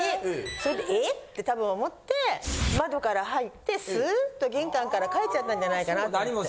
それでええっ！って多分思って窓から入ってスーッと玄関から帰っちゃったんじゃないかなと思って。